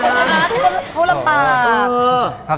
พูดลำปาก